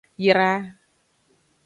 Yra.